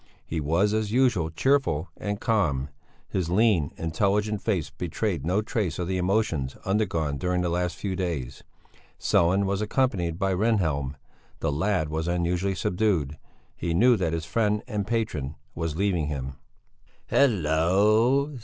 He was, as usual, cheerful and calm; his lean, intelligent face betrayed no trace of the emotions undergone during the last few days. Sellén was accompanied by Rehnhjelm; the lad was unusually subdued; he knew that his friend and patron was leaving him. "Hallo!